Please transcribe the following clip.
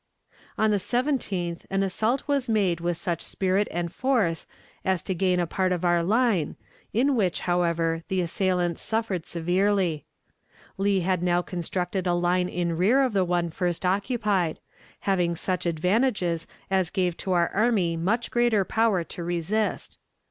On the 17th an assault was made with such spirit and force as to gain a part of our line, in which, however, the assailants suffered severely. Lee had now constructed a line in rear of the one first occupied, having such advantages as gave to our army much greater power to resist.